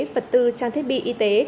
phật tư trang thiết bị y tế